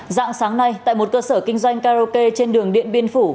dạng sáng nay tại một cơ sở kinh doanh karaoke trên đường điện biên phủ